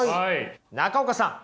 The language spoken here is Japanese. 中岡さん。